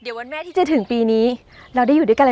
จนถึงวันนี้มาม้ามีเงิน๔ปี